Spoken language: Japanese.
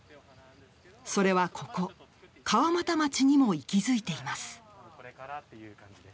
それは、ここ川俣町にも息づいています。